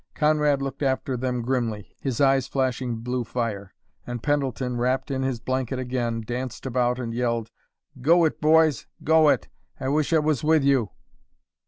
Conrad looked after them grimly, his eyes flashing blue fire, and Pendleton, wrapped in his blanket again, danced about and yelled, "Go it, boys, go it! I wish I was with you!"